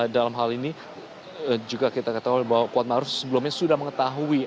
dalam hal ini juga kita ketahui bahwa kuat ma'ruf sebelumnya sudah mengetahui